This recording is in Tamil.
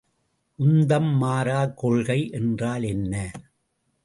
உந்தம் மாறாக் கொள்கை என்றால் என்ன?